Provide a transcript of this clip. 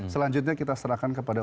selanjutnya kita serahkan kepada